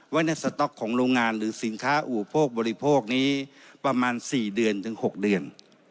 ไว้ในสต๊อกของโรงงานหรือสินค้าอุปโภคบริโภคนี้ประมาณ๔เดือนถึง๖เดือน